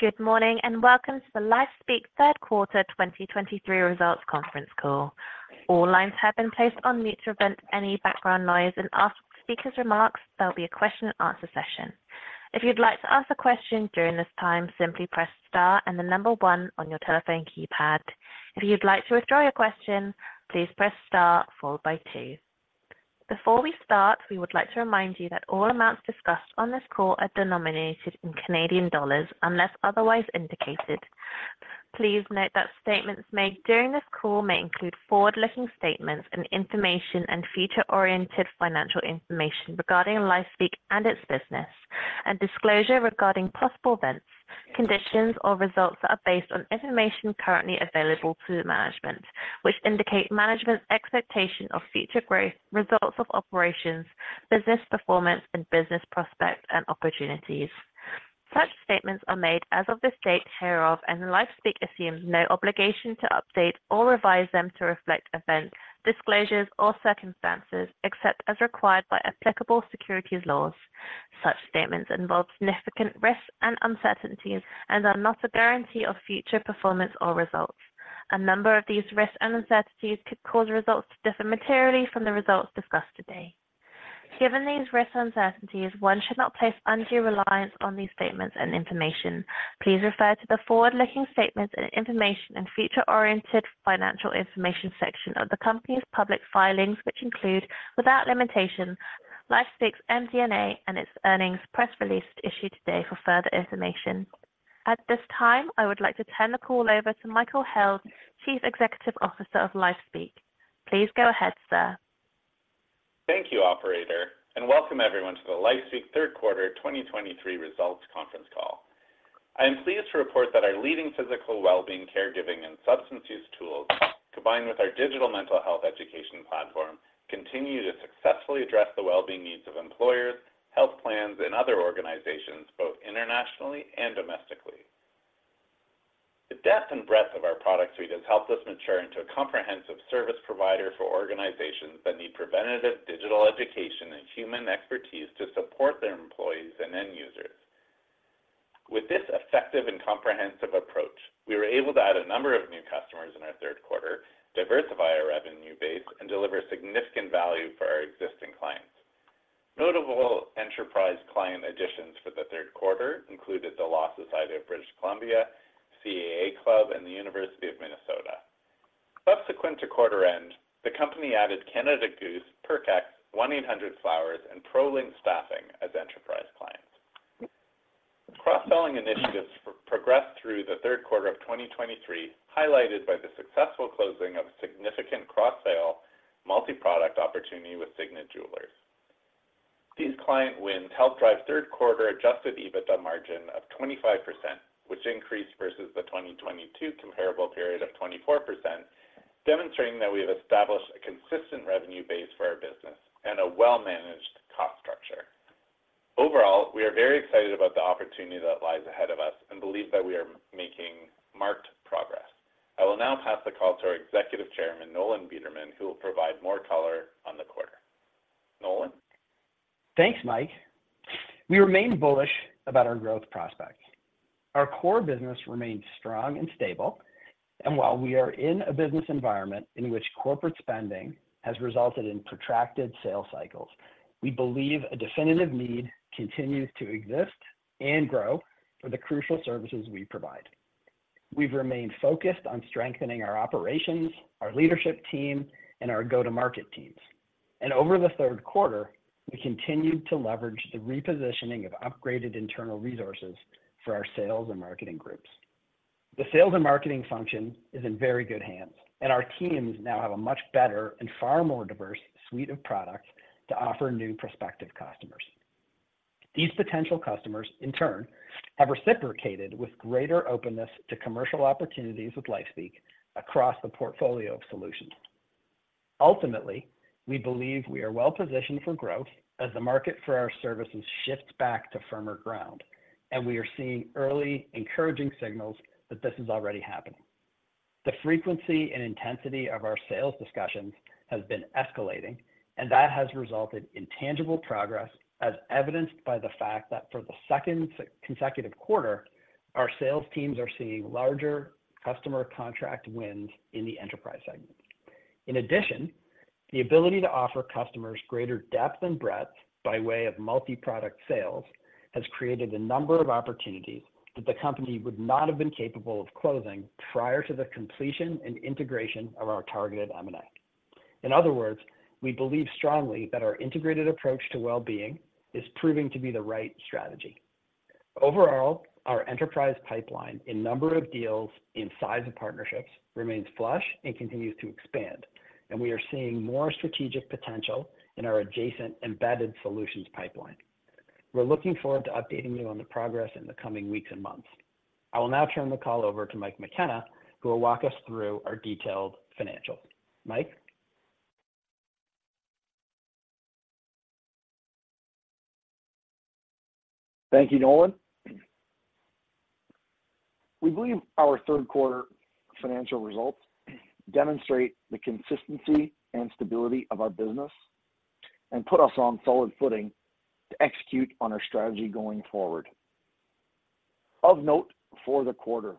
Good morning, and welcome to the LifeSpeak third quarter 2023 results conference call. All lines have been placed on mute to prevent any background noise. After the speakers' remarks, there'll be a question and answer session. If you'd like to ask a question during this time, simply press Star and the number 1 on your telephone keypad. If you'd like to withdraw your question, please press Star, followed by 2. Before we start, we would like to remind you that all amounts discussed on this call are denominated in Canadian dollars, unless otherwise indicated. Please note that statements made during this call may include forward-looking statements and information and future-oriented financial information regarding LifeSpeak and its business, and disclosure regarding possible events, conditions or results that are based on information currently available to management, which indicate management's expectation of future growth, results of operations, business performance, and business prospects and opportunities. Such statements are made as of this date hereof, and LifeSpeak assumes no obligation to update or revise them to reflect events, disclosures, or circumstances, except as required by applicable securities laws. Such statements involve significant risks and uncertainties and are not a guarantee of future performance or results. A number of these risks and uncertainties could cause results to differ materially from the results discussed today. Given these risks and uncertainties, one should not place undue reliance on these statements and information. Please refer to the forward-looking statements and information and future-oriented financial information section of the company's public filings, which include, without limitation, LifeSpeak's MD&A and its earnings press release issued today for further information. At this time, I would like to turn the call over to Michael Held, Chief Executive Officer of LifeSpeak. Please go ahead, sir. Thank you, operator, and welcome everyone to the LifeSpeak third quarter 2023 results conference call. I am pleased to report that our leading physical well-being, caregiving, and substance use tools, combined with our digital mental health education platform, continue to successfully address the well-being needs of employers, health plans, and other organizations, both internationally and domestically. The depth and breadth of our product suite has helped us mature into a comprehensive service provider for organizations that need preventative digital education and human expertise to support their employees and end users. With this effective and comprehensive approach, we were able to add a number of new customers in our third quarter, diversify our revenue base, and deliver significant value for our existing clients. Notable enterprise client additions for the third quarter included the Law Society of British Columbia, CAA Club, and the University of Minnesota. Subsequent to quarter end, the company added Canada Goose, Herc Rentals, 1-800-Flowers, and Prolink Staffing as enterprise clients. Cross-selling initiatives progressed through the third quarter of 2023, highlighted by the successful closing of a significant cross-sale, multi-product opportunity with Signet Jewelers. These client wins helped drive third quarter Adjusted EBITDA margin of 25%, which increased versus the 2022 comparable period of 24%, demonstrating that we have established a consistent revenue base for our business and a well-managed cost structure. Overall, we are very excited about the opportunity that lies ahead of us and believe that we are making marked progress. I will now pass the call to our Executive Chairman, Nolan Bederman, who will provide more color on the quarter. Nolan? Thanks, Mike. We remain bullish about our growth prospects. Our core business remains strong and stable, and while we are in a business environment in which corporate spending has resulted in protracted sales cycles, we believe a definitive need continues to exist and grow for the crucial services we provide. We've remained focused on strengthening our operations, our leadership team, and our go-to-market teams. Over the third quarter, we continued to leverage the repositioning of upgraded internal resources for our sales and marketing groups. The sales and marketing function is in very good hands, and our teams now have a much better and far more diverse suite of products to offer new prospective customers. These potential customers, in turn, have reciprocated with greater openness to commercial opportunities with LifeSpeak across the portfolio of solutions. Ultimately, we believe we are well positioned for growth as the market for our services shifts back to firmer ground, and we are seeing early encouraging signals that this is already happening. The frequency and intensity of our sales discussions has been escalating, and that has resulted in tangible progress, as evidenced by the fact that for the second consecutive quarter, our sales teams are seeing larger customer contract wins in the enterprise segment. In addition, the ability to offer customers greater depth and breadth by way of multi-product sales has created a number of opportunities that the company would not have been capable of closing prior to the completion and integration of our targeted M&A. In other words, we believe strongly that our integrated approach to well-being is proving to be the right strategy. Overall, our enterprise pipeline in number of deals in size of partnerships, remains flush and continues to expand, and we are seeing more strategic potential in our adjacent embedded solutions pipeline. We're looking forward to updating you on the progress in the coming weeks and months. I will now turn the call over to Mike McKenna, who will walk us through our detailed financials. Mike? Thank you, Nolan. We believe our third quarter financial results demonstrate the consistency and stability of our business.... and put us on solid footing to execute on our strategy going forward. Of note, for the quarter,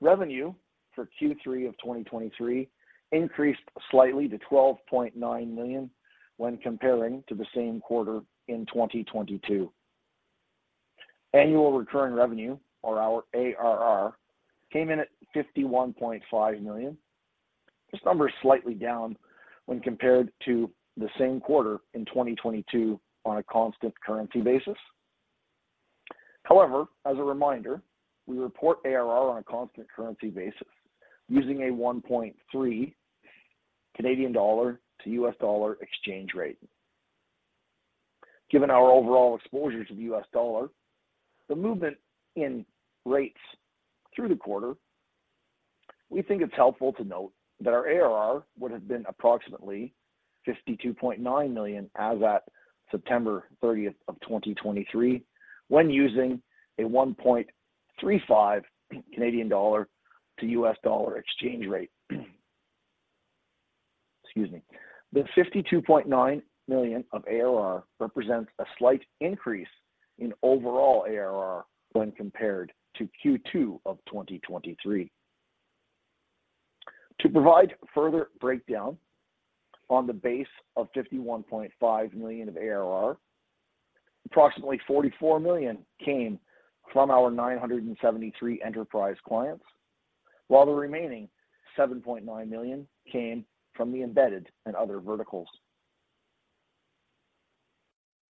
revenue for Q3 of 2023 increased slightly to 12.9 million when comparing to the same quarter in 2022. Annual recurring revenue, or our ARR, came in at 51.5 million. This number is slightly down when compared to the same quarter in 2022 on a constant currency basis. However, as a reminder, we report ARR on a constant currency basis using a 1.3 Canadian dollar to US dollar exchange rate. Given our overall exposure to the US dollar, the movement in rates through the quarter, we think it's helpful to note that our ARR would have been approximately 52.9 million as at September 30, 2023, when using a 1.35 Canadian dollar to US dollar exchange rate. Excuse me. The 52.9 million of ARR represents a slight increase in overall ARR when compared to Q2 of 2023. To provide further breakdown on the base of 51.5 million of ARR, approximately 44 million came from our 973 enterprise clients, while the remaining 7.9 million came from the embedded and other verticals.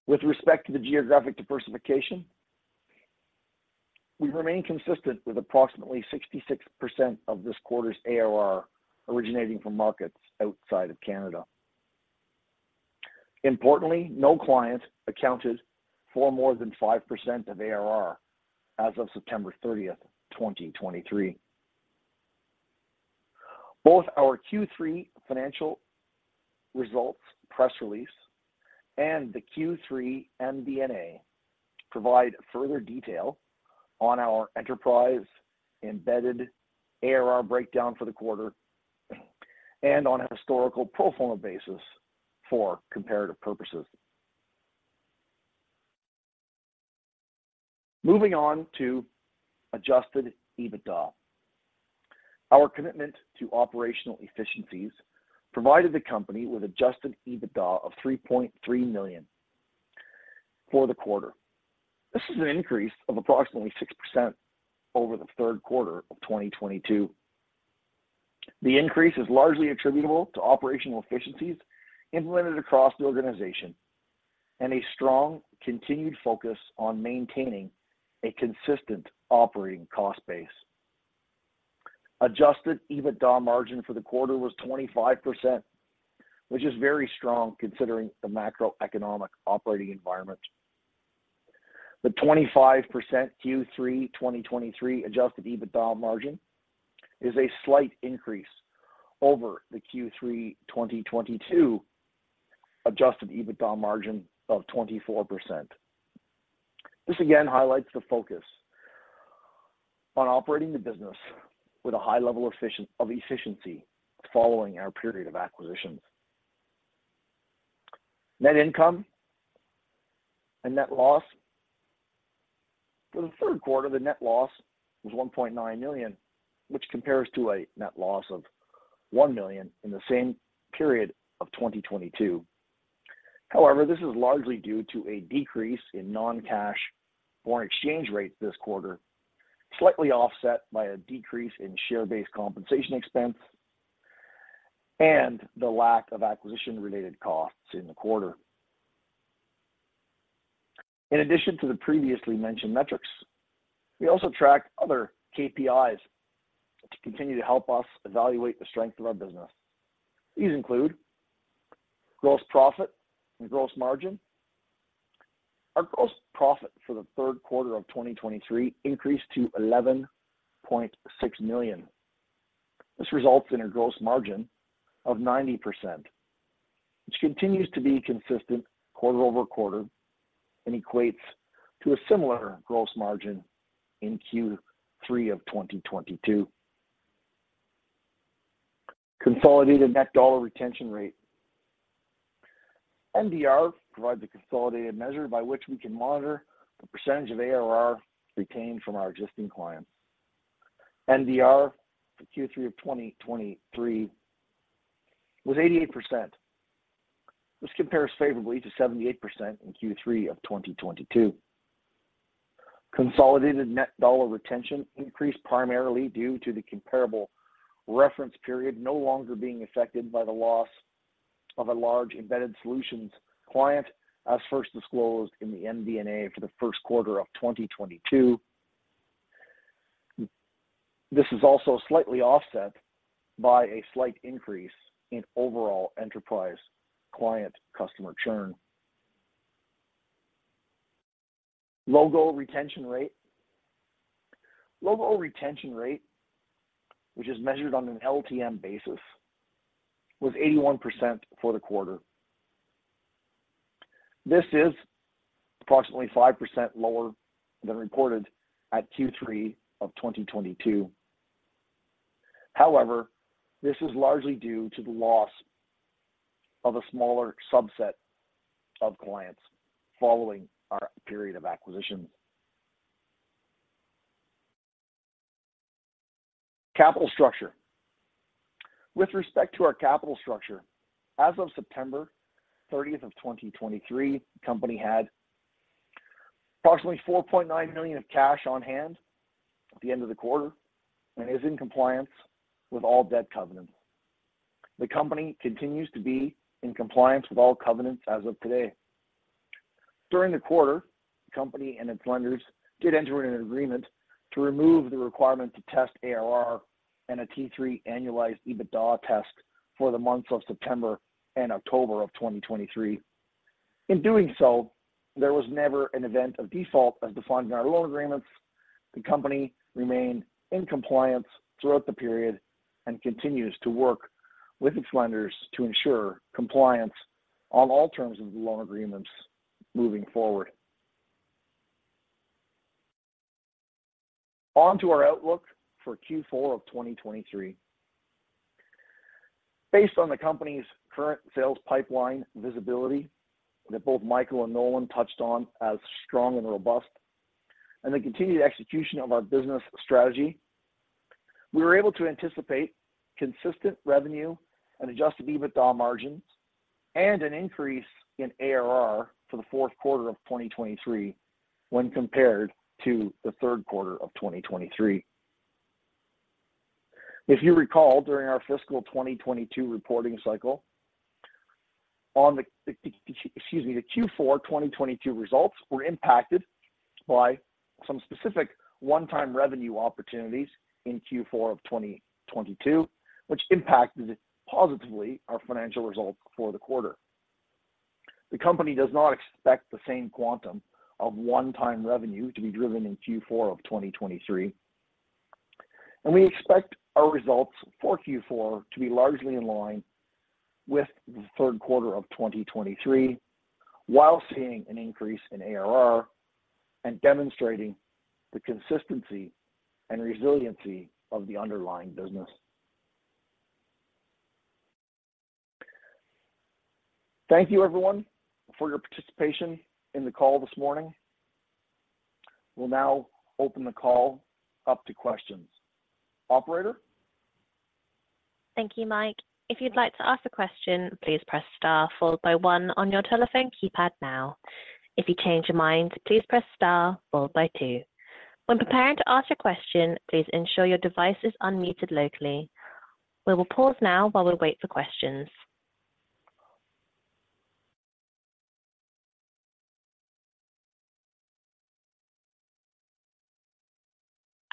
With respect to the geographic diversification, we remain consistent with approximately 66% of this quarter's ARR originating from markets outside of Canada. Importantly, no client accounted for more than 5% of ARR as of September 30th, 2023. Both our Q3 financial results press release and the Q3 MD&A provide further detail on our enterprise-embedded ARR breakdown for the quarter, and on a historical pro forma basis for comparative purposes. Moving on to Adjusted EBITDA. Our commitment to operational efficiencies provided the company with Adjusted EBITDA of 3.3 million for the quarter. This is an increase of approximately 6% over the third quarter of 2022. The increase is largely attributable to operational efficiencies implemented across the organization and a strong continued focus on maintaining a consistent operating cost base. Adjusted EBITDA margin for the quarter was 25%, which is very strong considering the macroeconomic operating environment. The 25% Q3 2023 Adjusted EBITDA margin is a slight increase over the Q3 2022 Adjusted EBITDA margin of 24%. This again highlights the focus on operating the business with a high level of efficiency following our period of acquisitions. Net income and net loss. For the third quarter, the net loss was 1.9 million, which compares to a net loss of 1 million in the same period of 2022. However, this is largely due to a decrease in non-cash foreign exchange rates this quarter, slightly offset by a decrease in share-based compensation expense and the lack of acquisition-related costs in the quarter. In addition to the previously mentioned metrics, we also tracked other KPIs to continue to help us evaluate the strength of our business. These include gross profit and gross margin. Our gross profit for the third quarter of 2023 increased to 11.6 million. This results in a gross margin of 90%, which continues to be consistent quarter-over-quarter and equates to a similar gross margin in Q3 of 2022. Consolidated net dollar retention rate. NDR provides a consolidated measure by which we can monitor the percentage of ARR retained from our existing clients. NDR for Q3 of 2023 was 88%. This compares favorably to 78% in Q3 of 2022. Consolidated net dollar retention increased primarily due to the comparable reference period, no longer being affected by the loss of a large embedded solutions client, as first disclosed in the MD&A for the first quarter of 2022. This is also slightly offset by a slight increase in overall enterprise client customer churn. Logo retention rate. Logo retention rate, which is measured on an LTM basis, was 81% for the quarter. This is approximately 5% lower than reported at Q3 of 2022.... However, this is largely due to the loss of a smaller subset of clients following our period of acquisition. Capital structure. With respect to our capital structure, as of September 30, 2023, the company had approximately 4.9 million of cash on hand at the end of the quarter and is in compliance with all debt covenants. The company continues to be in compliance with all covenants as of today. During the quarter, the company and its lenders did enter in an agreement to remove the requirement to test ARR and a Q3 annualized EBITDA test for the months of September and October of 2023. In doing so, there was never an event of default as defined in our loan agreements. The company remained in compliance throughout the period and continues to work with its lenders to ensure compliance on all terms of the loan agreements moving forward. On to our outlook for Q4 of 2023. Based on the company's current sales pipeline visibility, that both Michael and Nolan touched on as strong and robust, and the continued execution of our business strategy, we were able to anticipate consistent revenue and Adjusted EBITDA margins and an increase in ARR for the fourth quarter of 2023 when compared to the third quarter of 2023. If you recall, during our fiscal 2022 reporting cycle, on the, excuse me, the Q4 2022 results were impacted by some specific one-time revenue opportunities in Q4 of 2022, which impacted positively our financial results for the quarter. The company does not expect the same quantum of one-time revenue to be driven in Q4 of 2023, and we expect our results for Q4 to be largely in line with the third quarter of 2023, while seeing an increase in ARR and demonstrating the consistency and resiliency of the underlying business. Thank you, everyone, for your participation in the call this morning. We'll now open the call up to questions. Operator? Thank you, Mike. If you'd like to ask a question, please press Star followed by one on your telephone keypad now. If you change your mind, please press Star followed by 2. When preparing to ask your question, please ensure your device is unmuted locally. We will pause now while we wait for questions.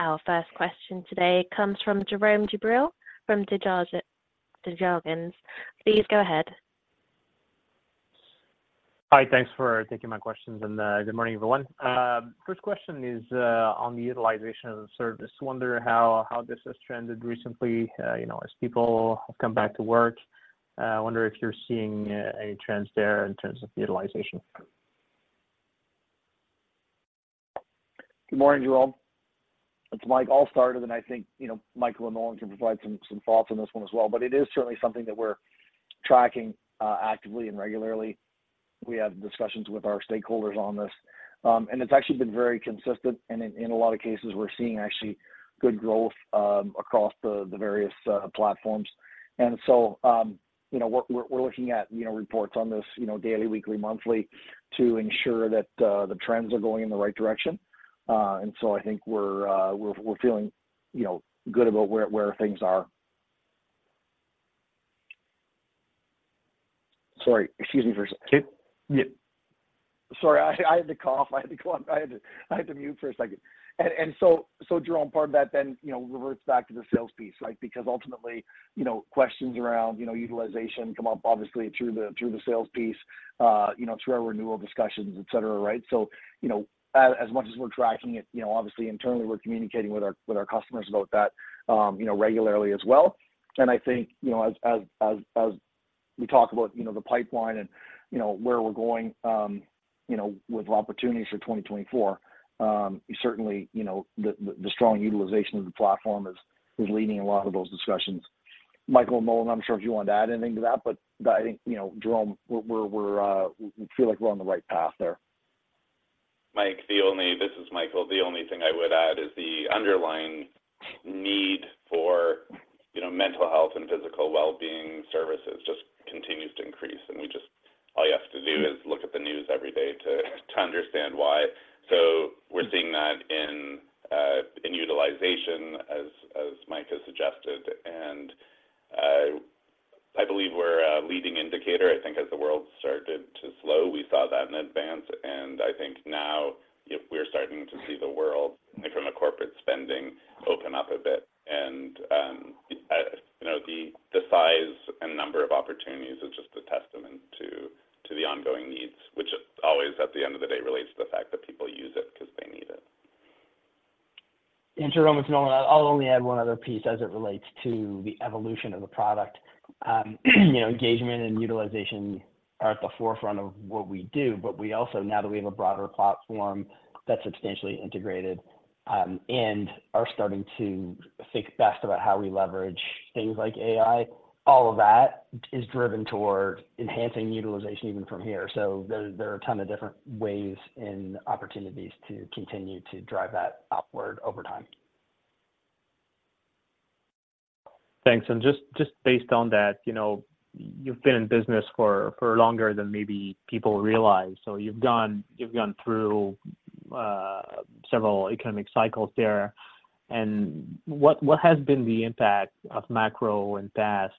Our first question today comes from Jerome Dubreuil from Desjardins. Please go ahead. Hi, thanks for taking my questions, and good morning, everyone. First question is on the utilization of the service. Wonder how this has trended recently, you know, as people have come back to work. I wonder if you're seeing any trends there in terms of utilization? Good morning, Jerome. It's Mike McKenna, and I think, you know, Michael and Nolan can provide some thoughts on this one as well, but it is certainly something that we're tracking actively and regularly. We have discussions with our stakeholders on this. It's actually been very consistent, and in a lot of cases, we're seeing actually good growth across the various platforms. So, you know, we're looking at, you know, reports on this, you know, daily, weekly, monthly to ensure that the trends are going in the right direction. So I think we're feeling, you know, good about where things are. Sorry, excuse me for a sec. Yeah. Sorry, I had to cough. I had to mute for a second. So Jerome, part of that then, you know, reverts back to the sales piece, right? Because ultimately, you know, questions around, you know, utilization come up obviously through the sales piece, you know, through our renewal discussions, et cetera, right? So, you know, as much as we're tracking it, you know, obviously internally, we're communicating with our customers about that, you know, regularly as well. And I think, you know, as we talk about, you know, the pipeline and, you know, where we're going, you know, with opportunities for 2024, certainly, you know, the strong utilization of the platform is leading a lot of those discussions. Michael and Nolan, I'm sure if you want to add anything to that, but I think, you know, Jerome, we feel like we're on the right path there. This is Michael. The only thing I would add is the underlying need for, you know, mental health and physical well-being services just continues to increase. And we just, all you have to do is look at the news every day to understand why. So we're seeing that in utilization, as Mike has suggested, and I believe we're a leading indicator. I think as the world started to slow, we saw that in advance. And I think now, if we're starting to see the world from a corporate spending open up a bit and you know, the size and number of opportunities is just a testament to the ongoing needs, which always, at the end of the day, relates to the fact that people use it because they need it. Jerome, it's Nolan. I'll only add one other piece as it relates to the evolution of the product. You know, engagement and utilization-... are at the forefront of what we do, but we also, now that we have a broader platform that's substantially integrated, and are starting to think best about how we leverage things like AI, all of that is driven toward enhancing utilization even from here. So there, there are a ton of different ways and opportunities to continue to drive that upward over time. Thanks. Just based on that, you know, you've been in business for longer than maybe people realize. So you've gone through several economic cycles there. And what has been the impact of macro and past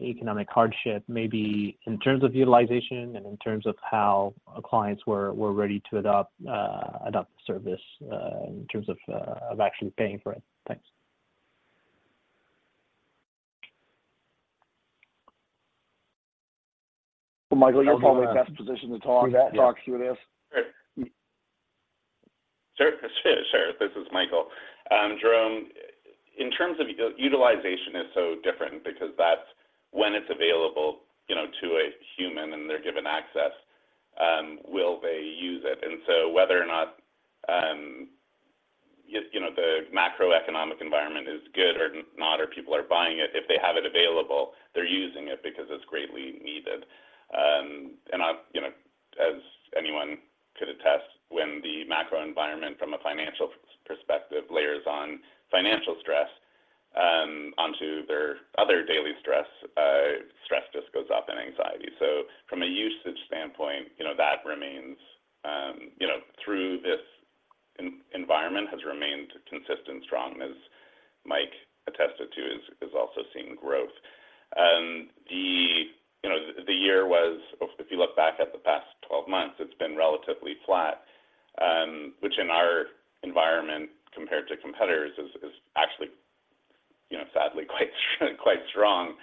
economic hardship, maybe in terms of utilization and in terms of how clients were ready to adopt the service, in terms of actually paying for it? Thanks. Michael, you're probably in the best position to talk through this. Sure. Sure, sure. This is Michael. Jerome, in terms of utilization is so different because that's when it's available, you know, to a human and they're given access, will they use it? And so whether or not, you know, the macroeconomic environment is good or not, or people are buying it, if they have it available, they're using it because it's greatly needed. And I've, you know, as anyone could attest, when the macro environment from a financial perspective layers on financial stress, onto their other daily stress, stress just goes up and anxiety. So from a usage standpoint, you know, that remains, you know, through this environment has remained consistent, strong, as Mike attested to, is also seeing growth. You know, the year was—if you look back at the past 12 months, it's been relatively flat, which in our environment, compared to competitors, is actually, you know, sadly, quite strong.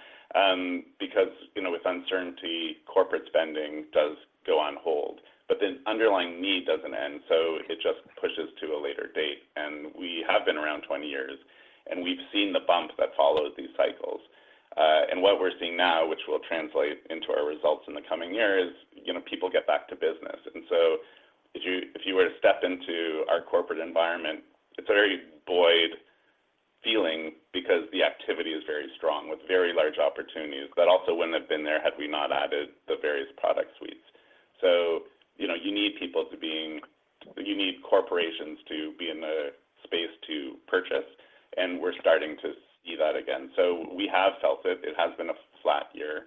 Because, you know, with uncertainty, corporate spending does go on hold, but the underlying need doesn't end, so it just pushes to a later date. And we have been around 20 years, and we've seen the bump that follows these cycles. And what we're seeing now, which will translate into our results in the coming year, is, you know, people get back to business. And so if you were to step into our corporate environment, it's a very buoyed feeling because the activity is very strong, with very large opportunities that also wouldn't have been there had we not added the various product suites. So, you know, you need corporations to be in the space to purchase, and we're starting to see that again. So we have felt it. It has been a flat year.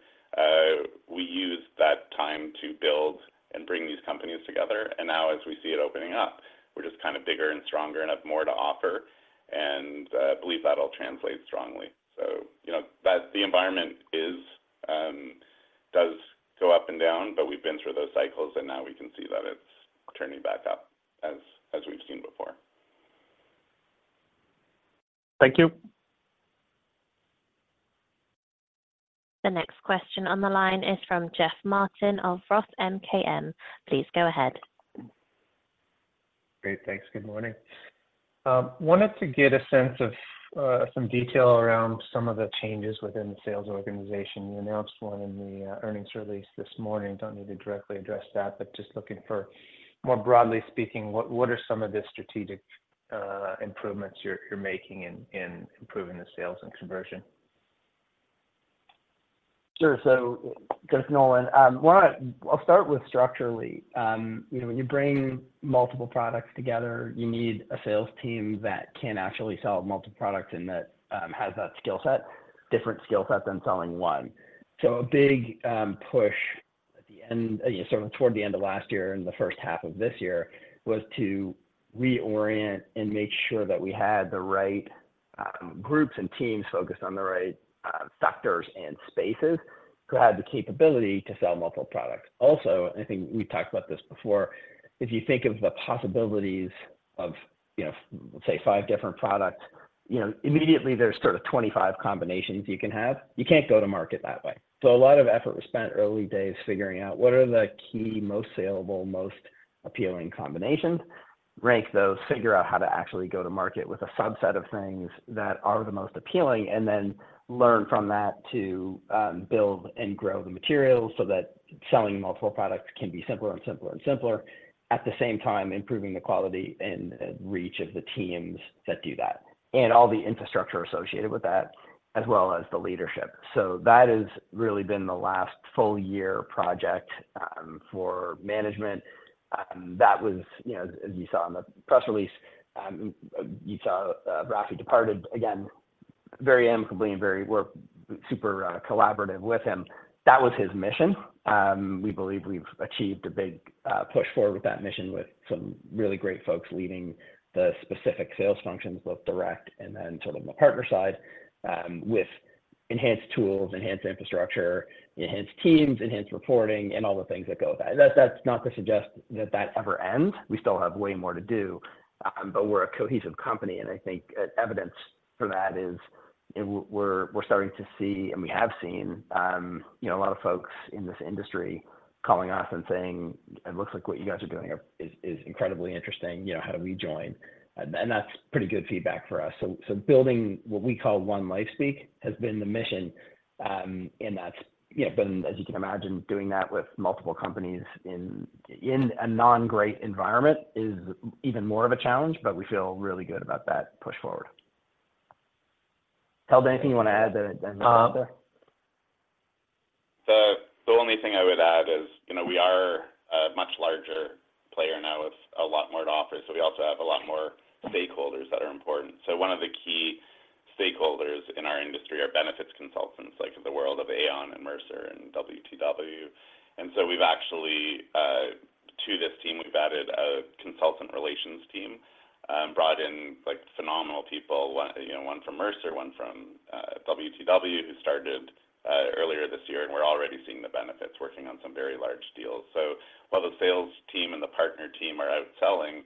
We used that time to build and bring these companies together, and now as we see it opening up, we're just kind of bigger and stronger and have more to offer, and believe that'll translate strongly. So, you know, that the environment is does go up and down, but we've been through those cycles, and now we can see that it's turning back up as we've seen before. Thank you. The next question on the line is from Jeff Martin of Roth MKM. Please go ahead. Great, thanks. Good morning. Wanted to get a sense of some detail around some of the changes within the sales organization. You announced 1 in the earnings release this morning. Don't need to directly address that, but just looking for, more broadly speaking, what are some of the strategic improvements you're making in improving the sales and conversion? Sure. So, Jeff Nolan, I'll start with structurally. You know, when you bring multiple products together, you need a sales team that can actually sell multiple products and that has that skill set, different skill set than selling one. So a big push at the end sort of toward the end of last year and the first half of this year, was to reorient and make sure that we had the right groups and teams focused on the right sectors and spaces, who had the capability to sell multiple products. Also, I think we've talked about this before, if you think of the possibilities of, you know, say, 5 different products, you know, immediately there's sort of 25 combinations you can have. You can't go to market that way. So a lot of effort was spent early days figuring out what are the key, most saleable, most appealing combinations, rank those, figure out how to actually go to market with a subset of things that are the most appealing, and then learn from that to, build and grow the materials so that selling multiple products can be simpler and simpler and simpler, at the same time improving the quality and, and reach of the teams that do that, and all the infrastructure associated with that, as well as the leadership. So that has really been the last full year project, for management. That was, you know, as you saw in the press release, you saw, Rafi departed, again, very amicably and very—we're super collaborative with him. That was his mission. We believe we've achieved a big push forward with that mission, with some really great folks leading the specific sales functions, both direct and then sort of on the partner side, with enhanced tools, enhanced infrastructure, enhanced teams, enhanced reporting, and all the things that go with that. That's not to suggest that that ever ends. We still have way more to do, but we're a cohesive company, and I think evidence for that is we're starting to see, and we have seen, you know, a lot of folks in this industry-... calling us and saying, "It looks like what you guys are doing is incredibly interesting. You know, how do we join?" And that's pretty good feedback for us. So building what we call One LifeSpeak has been the mission, and that's, you know, been, as you can imagine, doing that with multiple companies in a non-great environment is even more of a challenge, but we feel really good about that push forward. Michael, anything you want to add there, there? The only thing I would add is, you know, we are a much larger player now with a lot more to offer, so we also have a lot more stakeholders that are important. So one of the key stakeholders in our industry are benefits consultants, like the world of Aon and Mercer and WTW. And so we've actually to this team, we've added a consultant relations team, brought in, like, phenomenal people. 1, you know, 1 from Mercer, 1 from WTW, who started earlier this year, and we're already seeing the benefits, working on some very large deals. So while the sales team and the partner team are out selling,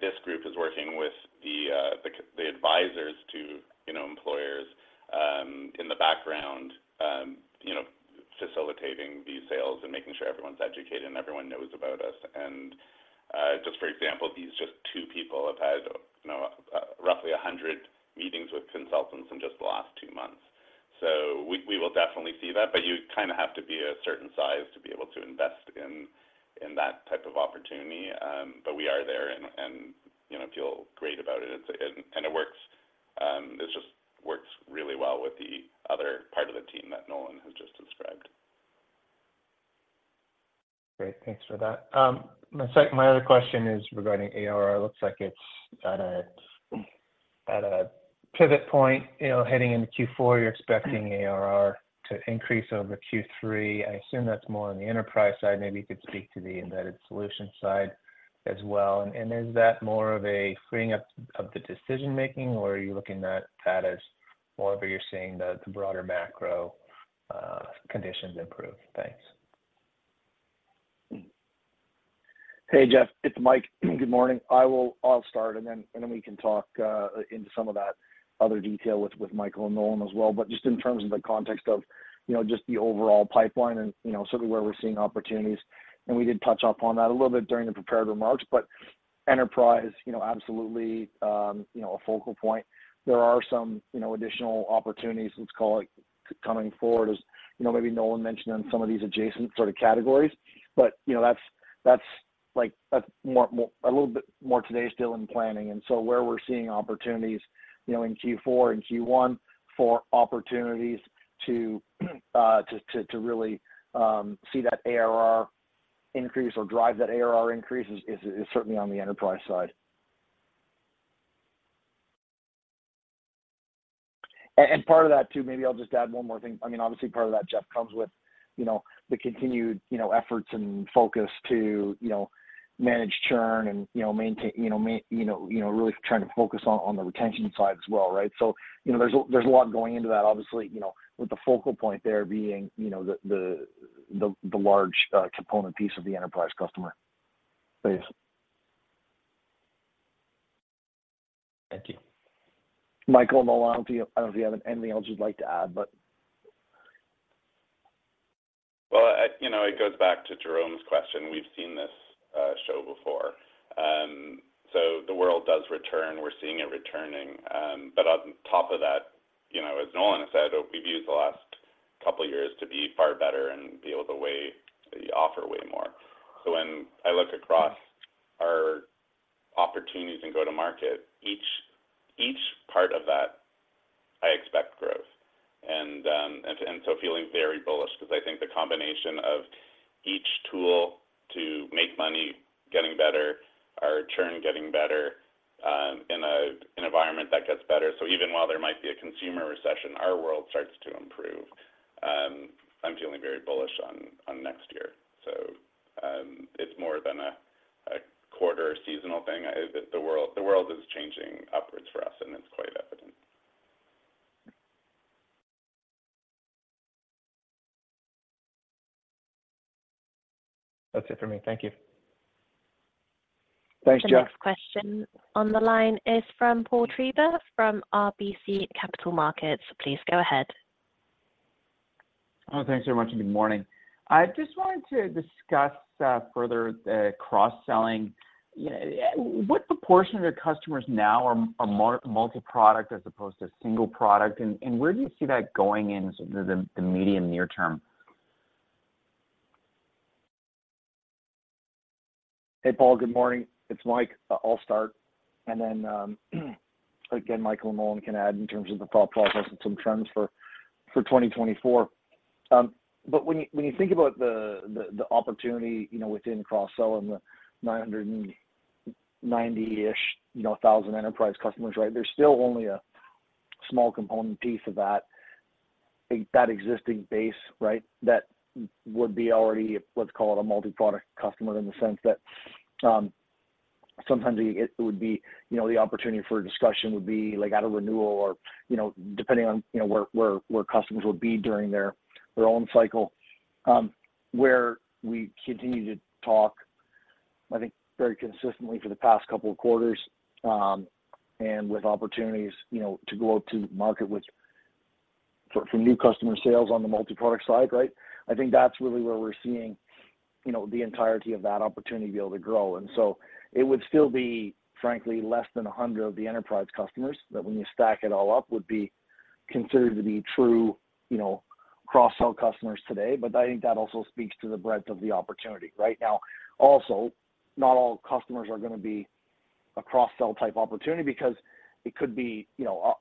this group is working with the advisors to, you know, employers, in the background, you know, facilitating these sales and making sure everyone's educated and everyone knows about us. And, just for example, these just 2 people have had, you know, roughly 100 meetings with consultants in just the last 2 months. So we will definitely see that, but you kind of have to be a certain size to be able to invest in that type of opportunity. But we are there and, you know, feel great about it. And it works. This just works really well with the other part of the team that Nolan has just described. Great, thanks for that. My other question is regarding ARR. Looks like it's at a pivot point. You know, heading into Q4, you're expecting ARR to increase over Q3. I assume that's more on the enterprise side. Maybe you could speak to the embedded solution side as well. Is that more of a freeing up of the decision making, or are you looking at that as more of where you're seeing the broader macro conditions improve? Thanks. Hey, Jeff, it's Mike. Good morning. I'll start, and then we can talk into some of that other detail with Michael and Nolan as well. But just in terms of the context of, you know, just the overall pipeline and, you know, sort of where we're seeing opportunities, and we did touch upon that a little bit during the prepared remarks, but enterprise, you know, absolutely, a focal point. There are some, you know, additional opportunities, let's call it, coming forward, as, you know, maybe Nolan mentioned on some of these adjacent sort of categories. But, you know, that's like more a little bit more today still in planning. And so where we're seeing opportunities, you know, in Q4 and Q1 for opportunities to really see that ARR increase or drive that ARR increase is certainly on the enterprise side. And part of that, too, maybe I'll just add one more thing. I mean, obviously, part of that, Jeff, comes with, you know, the continued efforts and focus to manage churn and, you know, maintain. You know, really trying to focus on the retention side as well, right? So, you know, there's a lot going into that, obviously, you know, with the focal point there being the large component piece of the enterprise customer. Thanks. Thank you. Michael, Nolan, do you, I don't know if you have anything else you'd like to add, but... Well, I, you know, it goes back to Jerome's question. We've seen this show before, so the world does return. We're seeing it returning. But on top of that, you know, as Nolan has said, we've used the last couple of years to be far better and be able to offer way more. So when I look across our opportunities and go-to-market, each part of that, I expect growth. And so feeling very bullish, because I think the combination of each tool to make money getting better, our churn getting better, in an environment that gets better. So even while there might be a consumer recession, our world starts to improve. I'm feeling very bullish on next year. So it's more than a quarter seasonal thing. The world is changing upwards for us, and it's quite evident. That's it for me. Thank you. Thanks, Jeff. The next question on the line is from Paul Treiber, from RBC Capital Markets. Please go ahead. Oh, thanks very much, and good morning. I just wanted to discuss further the cross-selling. You know, what proportion of your customers now are multi-product as opposed to single product, and where do you see that going in the medium near term? Hey, Paul, good morning. It's Mike. I'll start, and then, again, Michael and Nolan can add in terms of the thought process and some trends for 2024. But when you think about the opportunity, you know, within cross-sell and the 990-ish thousand enterprise customers, right? There's still only a small component piece of that existing base, right? That would be already, let's call it, a multi-product customer, in the sense that, sometimes it would be, you know, the opportunity for a discussion would be, like, at a renewal or, you know, depending on, you know, where customers would be during their own cycle. Where we continue to talk, I think, very consistently for the past couple of quarters, and with opportunities, you know, to go out to market with-... So from new customer sales on the multiproduct side, right? I think that's really where we're seeing, you know, the entirety of that opportunity be able to grow. And so it would still be, frankly, less than 100 of the enterprise customers, that when you stack it all up, would be considered to be true, you know, cross-sell customers today. But I think that also speaks to the breadth of the opportunity. Right now, also, not all customers are gonna be a cross-sell type opportunity because it could be, you know,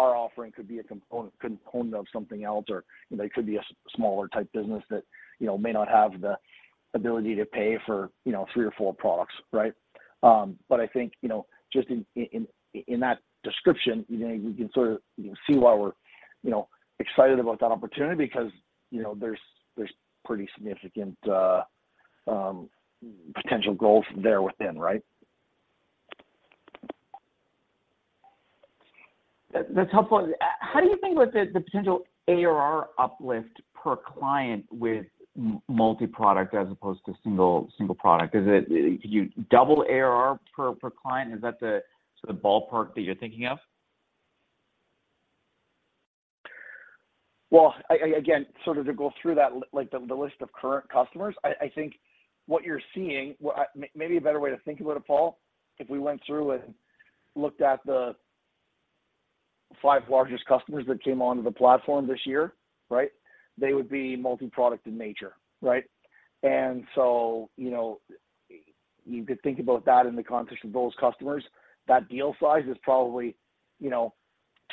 our offering could be a component of something else, or, you know, it could be a smaller type business that, you know, may not have the ability to pay for, you know, 3 or 4 products, right? But I think, you know, just in that description, you know, you can sort of, you know, see why we're, you know, excited about that opportunity because, you know, there's pretty significant potential goals there within, right? That's helpful. How do you think about the potential ARR uplift per client with multiproduct as opposed to single product? Is it you double ARR per client, is that the sort of ballpark that you're thinking of? Well, I again, sort of to go through that, like the list of current customers, I think what you're seeing... Well, maybe a better way to think about it, Paul, if we went through and looked at the 5 largest customers that came onto the platform this year, right? They would be multiproduct in nature, right? And so, you know, you could think about that in the context of those customers. That deal size is probably, you know,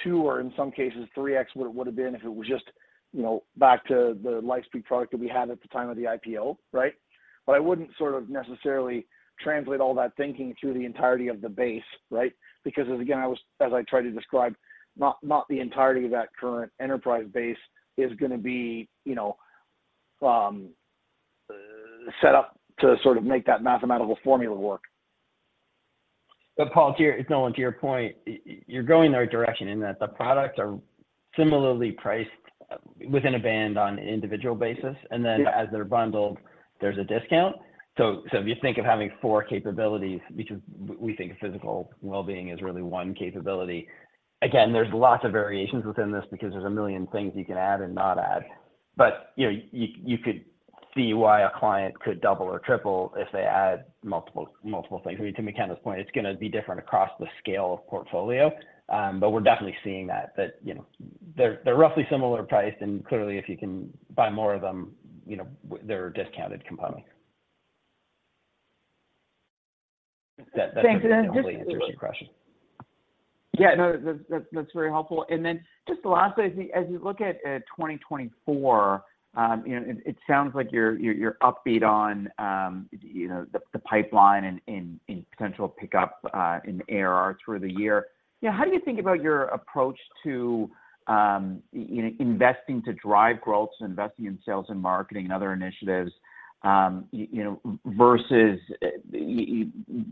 2, or in some cases, 3 x what it would have been if it was just, you know, back to the LifeSpeak product that we had at the time of the IPO, right? But I wouldn't sort of necessarily translate all that thinking through the entirety of the base, right? Because, again, I was, as I tried to describe, not the entirety of that current enterprise base is gonna be, you know, set up to sort of make that mathematical formula work. But Paul, to your, Nolan, to your point, you're going in the right direction, in that the products are similarly priced within a band on an individual basis. Yeah. And then as they're bundled, there's a discount. So if you think of having 4 capabilities, which is we think physical well-being is really one capability. Again, there's lots of variations within this because there's a million things you can add and not add. But, you know, you could see why a client could double or triple if they add multiple things. I mean, to McKenna's point, it's gonna be different across the scale of portfolio, but we're definitely seeing that, you know, they're roughly similar priced, and clearly, if you can buy more of them, you know, they're a discounted component. That hopefully answers your question. Thanks. Yeah, no, that, that's very helpful. And then just the last thing, as you look at 2024, you know, it sounds like you're upbeat on, you know, the pipeline and potential pickup in ARR through the year. You know, how do you think about your approach to, you know, investing to drive growth and investing in sales and marketing and other initiatives, you know, versus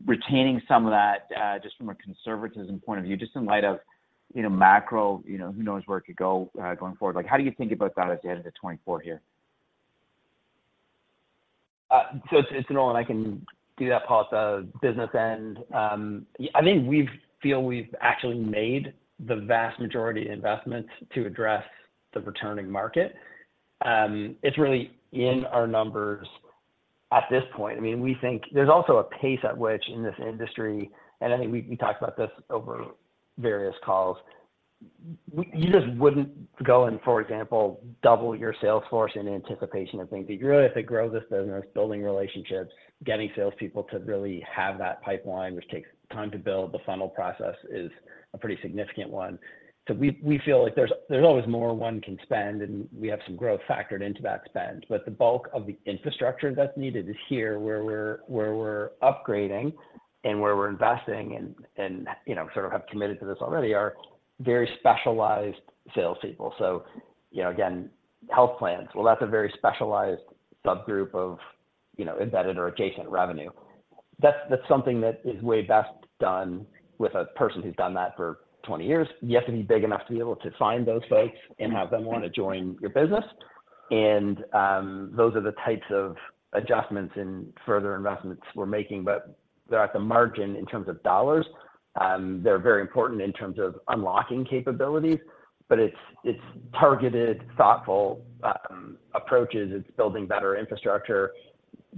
retaining some of that, just from a conservatism point of view, just in light of, you know, macro, you know, who knows where it could go going forward? Like, how do you think about that at the end of the 2024 year? So it's Nolan. I can do that, Paul. So business end, I think we feel we've actually made the vast majority of investments to address the returning market. It's really in our numbers at this point. I mean, we think there's also a pace at which in this industry, and I think we talked about this over various calls. You just wouldn't go in, for example, double your sales force in anticipation of things. You really have to grow this business, building relationships, getting salespeople to really have that pipeline, which takes time to build. The funnel process is a pretty significant one. So we feel like there's always more one can spend, and we have some growth factored into that spend. But the bulk of the infrastructure that's needed is here, where we're upgrading and where we're investing, and you know, sort of have committed to this already, are very specialized salespeople. So, you know, again, health plans. Well, that's a very specialized subgroup of, you know, embedded or adjacent revenue. That's something that is way best done with a person who's done that for 20 years. You have to be big enough to be able to find those folks and have them want to join your business. And those are the types of adjustments and further investments we're making, but they're at the margin in terms of dollars. They're very important in terms of unlocking capabilities, but it's targeted, thoughtful approaches. It's building better infrastructure.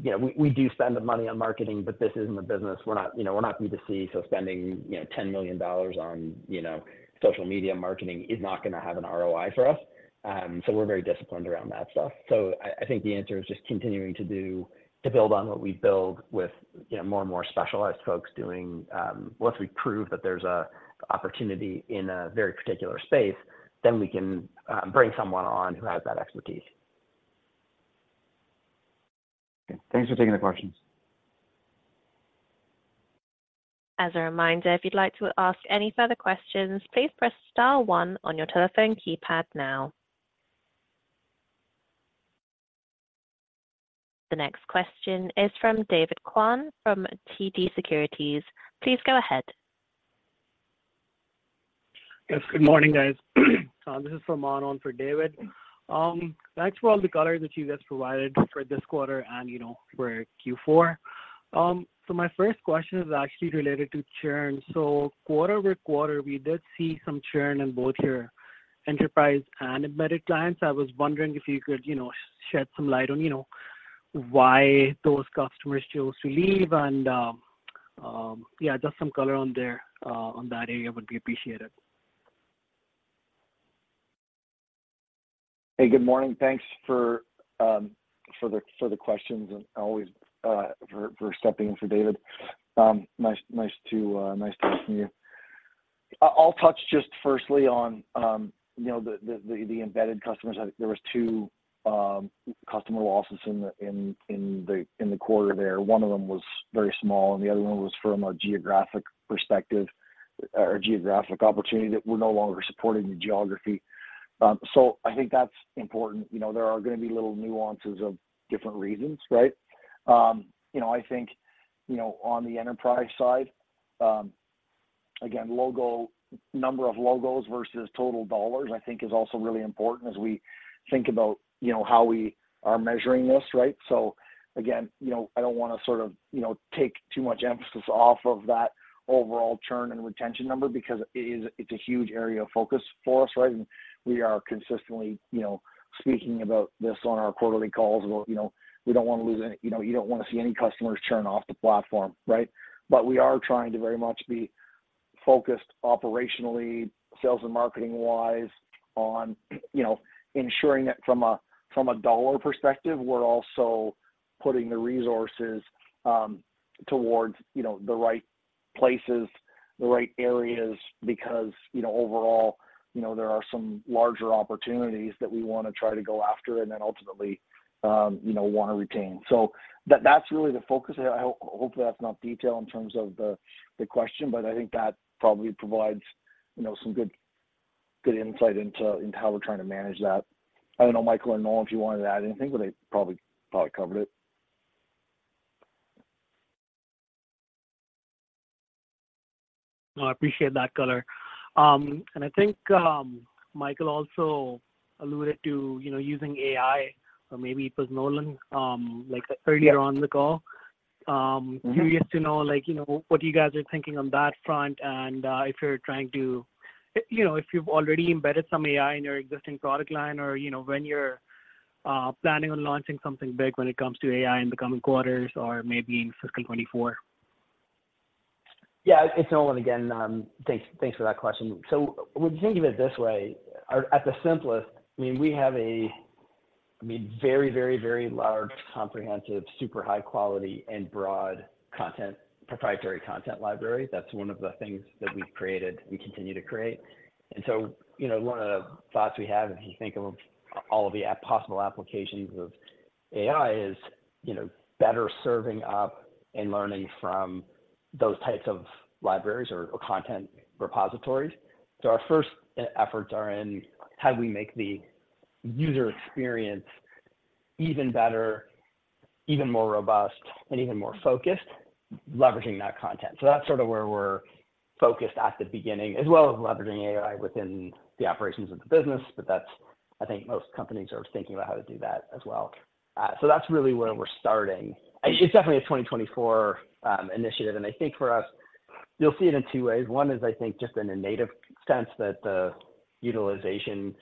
You know, we do spend the money on marketing, but this isn't a business. We're not, you know, we're not B2C, so spending, you know, 10 million dollars on, you know, social media marketing is not gonna have an ROI for us. So we're very disciplined around that stuff. So I think the answer is just continuing to build on what we build with, you know, more and more specialized folks doing. Once we prove that there's a opportunity in a very particular space, then we can bring someone on who has that expertise. Thanks for taking the questions. As a reminder, if you'd like to ask any further questions, please press star 1 on your telephone keypad now. The next question is from David Kwan from TD Securities. Please go ahead. Yes, good morning, guys. This is Arman on for David. Thanks for all the color that you guys provided for this quarter and, you know, for Q4. My first question is actually related to churn. Quarter-over-quarter, we did see some churn in both your enterprise and embedded clients. I was wondering if you could, you know, shed some light on, you know, why those customers chose to leave and, yeah, just some color on there, on that area would be appreciated. Hey, good morning. Thanks for the questions and always for stepping in for David. Nice to hear from you. I'll touch just firstly on, you know, the embedded customers. There was 2 customer losses in the quarter there. One of them was very small, and the other one was from a geographic perspective or geographic opportunity that we're no longer supporting the geography. So I think that's important. You know, there are gonna be little nuances of different reasons, right? You know, I think, you know, on the enterprise side, again, logo-- number of logos versus total dollars, I think is also really important as we think about, you know, how we are measuring this, right? So again, you know, I don't wanna sort of, you know, take too much emphasis off of that overall churn and retention number because it is, it's a huge area of focus for us, right? And we are consistently, you know, speaking about this on our quarterly calls, you know, we don't want to lose any-- you know, you don't want to see any customers churn off the platform, right? But we are trying to very much be focused operationally, sales and marketing wise, on, you know, ensuring that from a, from a dollar perspective, we're also putting the resources, towards, you know, the right places, the right areas, because, you know, overall, you know, there are some larger opportunities that we want to try to go after and then ultimately, you know, want to retain. So that, that's really the focus. I hope that's not detailed in terms of the question, but I think that probably provides, you know, some good insight into how we're trying to manage that. I don't know, Michael or Nolan, if you wanted to add anything, but I probably covered it. No, I appreciate that color. I think Michael also alluded to, you know, using AI, or maybe it was Nolan, like earlier on in the call. Curious to know, like, you know, what you guys are thinking on that front and, if you're trying to—you know, if you've already embedded some AI in your existing product line or, you know, when you're planning on launching something big when it comes to AI in the coming quarters or maybe in fiscal 2024. Yeah, it's Nolan again. Thanks, thanks for that question. So would you think of it this way, at the simplest, I mean, we have a, I mean, very, very, very large, comprehensive, super high quality and broad content, proprietary content library. That's one of the things that we've created, we continue to create. And so, you know, one of the thoughts we have, if you think of all the possible applications of AI, is, you know, better serving up and learning from those types of libraries or content repositories. So our first efforts are in how do we make the user experience even better, even more robust, and even more focused, leveraging that content. So that's sort of where we're focused at the beginning, as well as leveraging AI within the operations of the business. But that's, I think most companies are thinking about how to do that as well. So that's really where we're starting. It's definitely a 2024 initiative, and I think for us, you'll see it in 2 ways. One is, I think, just in a native sense, that the utilization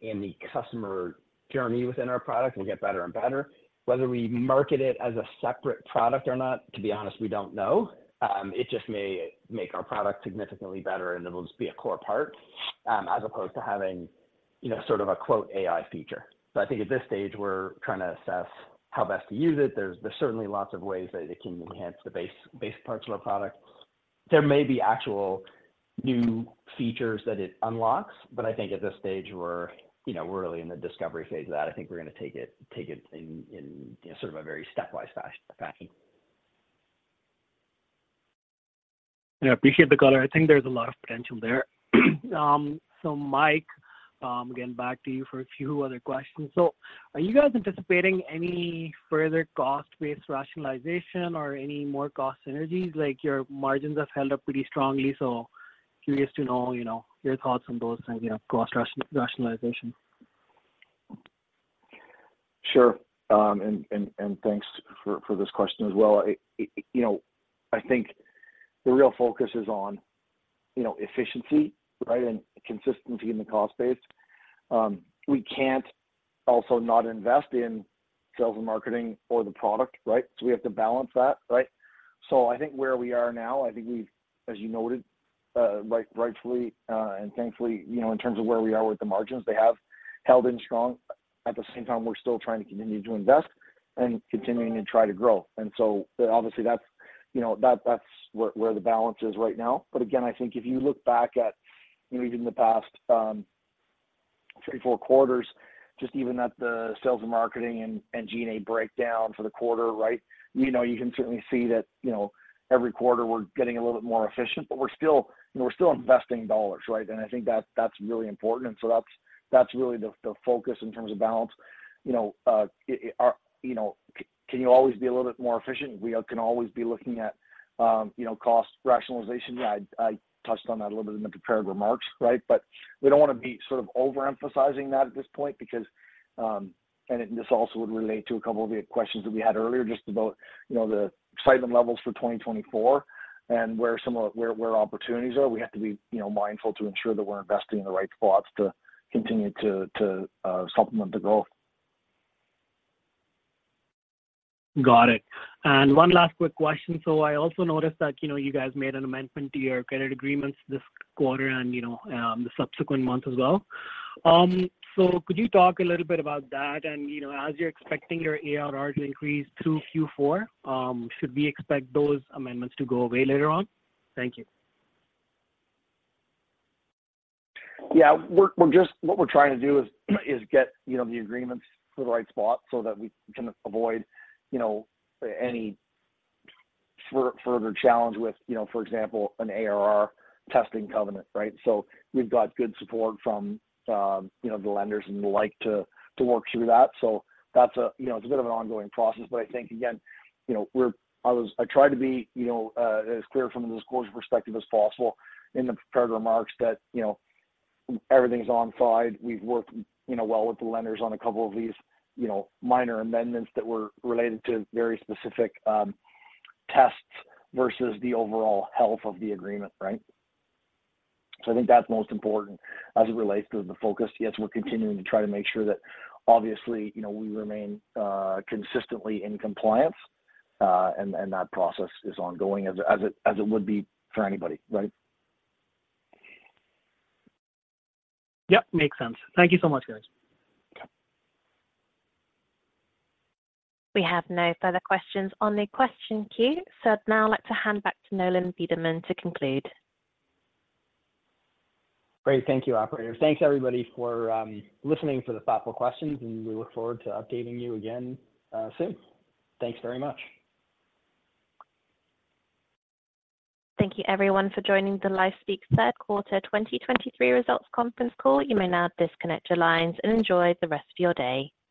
in the customer journey within our product will get better and better. Whether we market it as a separate product or not, to be honest, we don't know. It just may make our product significantly better, and it'll just be a core part as opposed to having, you know, sort of a quote, AI feature. So I think at this stage, we're trying to assess how best to use it. There's certainly lots of ways that it can enhance the base, base parts of our product. There may be actual new features that it unlocks, but I think at this stage, we're, you know, really in the discovery phase of that. I think we're going to take it in sort of a very stepwise fashion. I appreciate the color. I think there's a lot of potential there. So, Mike, again, back to you for a few other questions. So are you guys anticipating any further cost-based rationalization or any more cost synergies? Like your margins have held up pretty strongly, so curious to know, you know, your thoughts on those and, you know, cost rationalization. Sure. And thanks for this question as well. You know, I think the real focus is on, you know, efficiency, right? And consistency in the cost base. We can't also not invest in sales and marketing or the product, right? So we have to balance that, right? So I think where we are now, I think we've, as you noted, right, rightfully, and thankfully, you know, in terms of where we are with the margins, they have held in strong. At the same time, we're still trying to continue to invest and continuing to try to grow. And so obviously, that's, you know, that, that's where, where the balance is right now. But again, I think if you look back at even in the past 3, 4 quarters, just even at the sales and marketing and, and G&A breakdown for the quarter, right? You know, you can certainly see that, you know, every quarter we're getting a little bit more efficient, but we're still, you know, we're still investing dollars, right? And I think that's, that's really important. And so that's, that's really the, the focus in terms of balance. You know, you know, can you always be a little bit more efficient? We can always be looking at, you know, cost rationalization. Yeah, I, I touched on that a little bit in the prepared remarks, right? But we don't want to be sort of overemphasizing that at this point because... This also would relate to a couple of the questions that we had earlier, just about, you know, the excitement levels for 2024... and where some of where, where opportunities are, we have to be, you know, mindful to ensure that we're investing in the right spots to continue to supplement the growth. Got it. One last quick question. I also noticed that, you know, you guys made an amendment to your credit agreements this quarter and, you know, the subsequent months as well. Could you talk a little bit about that? You know, as you're expecting your ARR to increase through Q4, should we expect those amendments to go away later on? Thank you. Yeah. We're just what we're trying to do is get you know the agreements to the right spot so that we can avoid you know any further challenge with you know for example an ARR testing covenant right? So we've got good support from you know the lenders and the like to work through that. So that's you know it's a bit of an ongoing process but I think again you know I was I tried to be you know as clear from the disclosure perspective as possible in the prepared remarks that you know everything's on side. We've worked you know well with the lenders on a couple of these you know minor amendments that were related to very specific tests versus the overall health of the agreement right? So I think that's most important as it relates to the focus. Yes, we're continuing to try to make sure that obviously, you know, we remain consistently in compliance, and that process is ongoing as it would be for anybody, right? Yep, makes sense. Thank you so much, guys. Okay. We have no further questions on the question queue, so I'd now like to hand back to Nolan Bederman to conclude. Great. Thank you, operator. Thanks, everybody, for listening for the thoughtful questions, and we look forward to updating you again, soon. Thanks very much. Thank you, everyone, for joining the LifeSpeak Third Quarter results conference call. You may now disconnect your lines and enjoy the rest of your day.